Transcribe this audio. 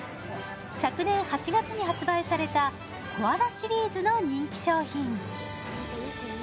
昨年８月に発売されたコアラシリーズの人気商品。